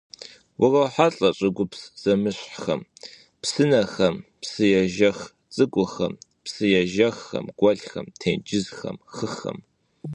УрохьэлӀэ щӀыгупс зэмыщхьхэм: псынэхэм, псыежэх цӀыкӀухэм, псыежэххэм, гуэлхэм, тенджызхэм, хыхэм.